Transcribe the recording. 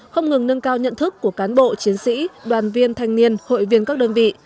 không ngừng nâng cao nhận thức của cán bộ chiến sĩ đoàn viên thanh niên hội viên các đơn vị